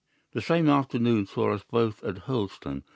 "The same afternoon saw us both at Hurlstone.